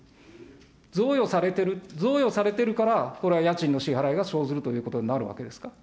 贈与されてる、贈与されてるから、これは家賃の支払いが生ずるということになるわけですか。